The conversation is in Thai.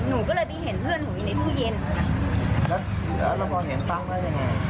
หนูก็เลยไปเห็นเพื่อนหนูอยู่ในตู้เย็นแล้วแล้วพอเห็นปั๊บแล้วยังไง